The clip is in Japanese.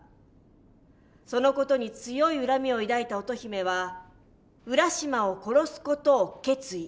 その事に強い恨みを抱いた乙姫は浦島を殺す事を決意。